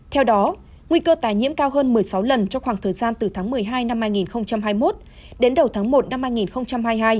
theo đó nguy cơ tái nhiễm cao hơn một mươi sáu lần trong khoảng thời gian từ tháng một mươi hai năm hai nghìn hai mươi một đến đầu tháng một năm hai nghìn hai mươi hai